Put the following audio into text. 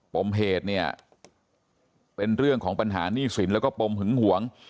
ปมเหตุเนี่ยเป็นเรื่องของปัญหาหนี้สินแล้วก็ปมหึงหวง